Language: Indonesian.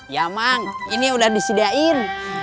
ya emang ini udah disediain